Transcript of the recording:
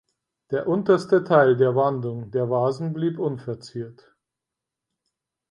Der unterste Teil der Wandung der Vasen blieb unverziert.